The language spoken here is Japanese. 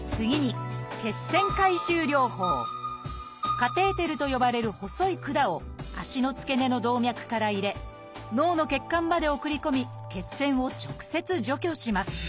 「カテーテル」と呼ばれる細い管を脚の付け根の動脈から入れ脳の血管まで送り込み血栓を直接除去します。